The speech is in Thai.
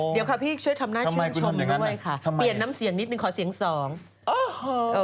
เดี๋ยวค่ะพี่ช่วยทำหน้าชื่นชมด้วยค่ะเปลี่ยนน้ำเสียงนิดนึงขอเสียงสองโอ้โห